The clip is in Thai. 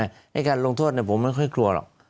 ในการลงโทษผมไม่ค่อยกลัวหรอก